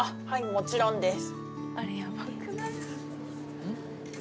もちろんです。